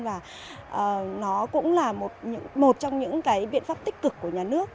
và nó cũng là một trong những cái biện pháp tích cực của nhà nước